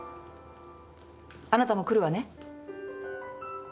あなたも来るわね。